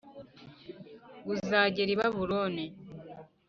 G uzagera i babuloni